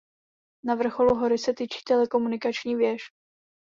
Na vrcholu hory se tyčí telekomunikační věž.